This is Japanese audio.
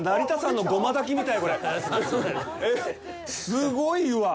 すごいわ！